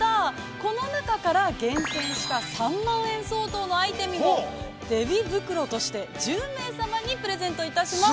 この中から厳選した３万円相当のアイテムをデヴィ袋として１０名様にプレゼントいたします。